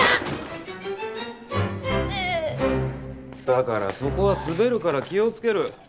だからそこは滑るから気を付ける。